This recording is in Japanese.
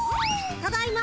ただいま！